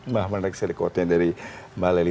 wah menarik sekali kuatnya dari mbak leli